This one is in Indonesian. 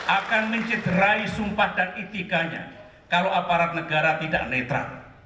akan mencederai sumpah dan etikanya kalau aparat negara tidak netral